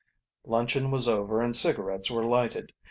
Luncheon was over and cigarettes were lighted.